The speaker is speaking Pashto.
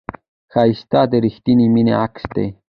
ښایست د رښتینې مینې عکس دی